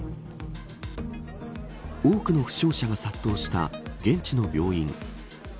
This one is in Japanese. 多くの負傷者が殺到した現地の病院。